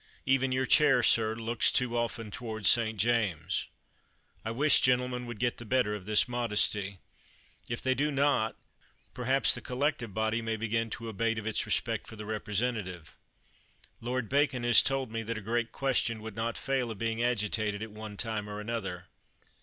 Even your chair, sir, looks too often toward St. James'. I wish gentlemen would get the better of this modesty. If they do not, 208 CHATHAM perhaps the collective body may begin to abate of its respect for the representative. Lord Ba con has told me that a great question would not fail of being agitated at one time or another.